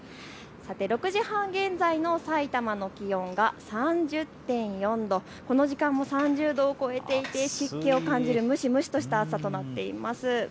６時半現在のさいたまの気温が３０．４度、この時間も３０度を超えていて湿気を感じる蒸し蒸しとした暑さになっています。